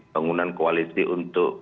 bangunan koalisi untuk